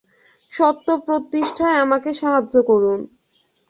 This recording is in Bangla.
সত্য প্রতিষ্ঠায় আমাকে সাহায্য করুন।